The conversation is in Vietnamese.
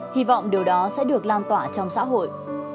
hy vọng điều đó sẽ được lan tỏa trong xã hội